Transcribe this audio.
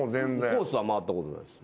コースは回ったことない。